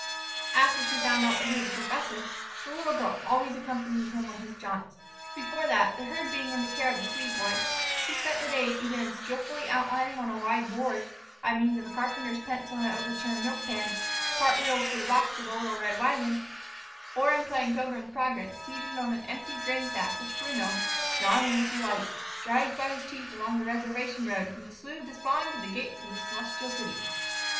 After she found out that he was a professor, the little girl always accompanied him on his jaunts. Before that, the herd being in the care of the Swede boy, she spent the days either in skilfully outlining on a wide board, by means of a carpenter's pencil and an overturned milk pan, cart wheels for the box of the little red wagon, or in playing "Pilgrim's Progress," seated on an empty grain sack which Bruno, snarling with delight, dragged by his teeth along the reservation road from the Slough of Despond to the gates of the Celestial City.